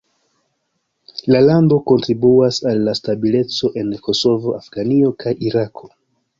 La lando kontribuas al la stabileco en Kosovo, Afganio kaj Irako.